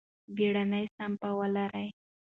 بیړنۍ سپما ولرئ.